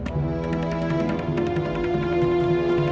yang menjaga keamanan bapak reno